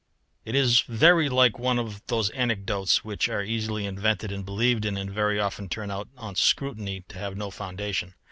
It is very like one of those anecdotes which are easily invented and believed in, and very often turn out on scrutiny to have no foundation.